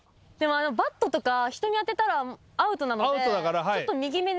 バットとか人に当てたらアウトなのでちょっと。